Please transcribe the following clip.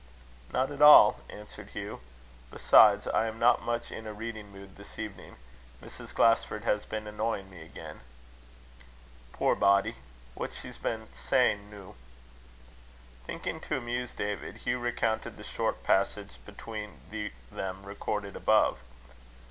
"Not at all," answered Hugh. "Besides, I am not much in a reading mood this evening: Mrs. Glasford has been annoying me again." "Poor body! What's she been sayin' noo?" Thinking to amuse David, Hugh recounted the short passage between them recorded above.